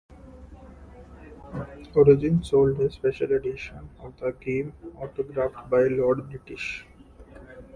Origin sold a "Special Edition" of the game autographed by Lord British.